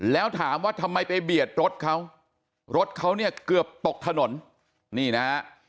แล้วถามว่าทำไมไปเบียดรถเขารถเขาเนี่ยเกือบตกถนนนี่นะฮะ